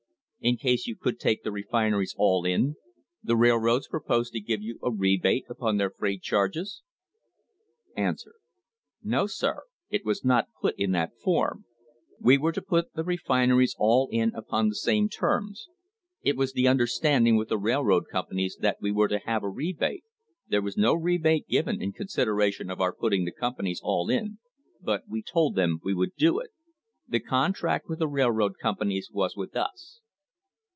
In case you could take the refineries all in, the railroads proposed to give you a rebate upon their freight charges ? A. No, sir; it was not put in that form; we were to put the refineries all in upon the same terms; it was the understanding with the railroad companies that we were to have a rebate; there was no rebate given in consideration of our putting the companies all in, but we told them we would do it; the contract with the railroad companies was with us.